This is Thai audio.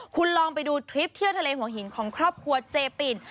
คุณลองไปดูทริปเที่ยวทะเลหัวหินของครอบครัวเจปิน